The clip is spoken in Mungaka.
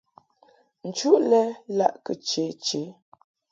Nchuʼ lɛ laʼ kɨ che che.